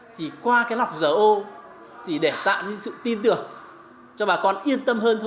thì qua cái lọc ro thì để tạo những sự tin tưởng cho bà con yên tâm hơn